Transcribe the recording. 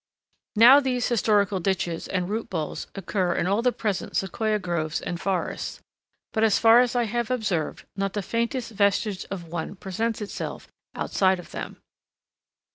_Now these historic ditches and root bowls occur in all the present Sequoia groves and forests, but as far as I have observed, not the faintest vestige of one presents itself outside of them_.